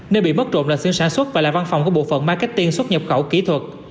nơi bị mất trộm là xuyên sản xuất và là văn phòng của bộ phận marketing xuất nhập khẩu kỹ thuật